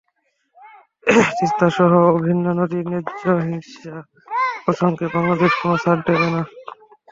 কিন্তু তিস্তাসহ অভিন্ন নদীর ন্যায্য হিস্যা প্রসঙ্গে বাংলাদেশ কোনো ছাড় দেবে না।